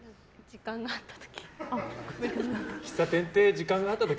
時間があった時。